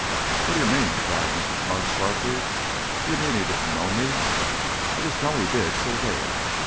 "What d'you mean?" cried Mrs. Mudd, sharply. "D' you mean he didn't know me? I just know he did, so there!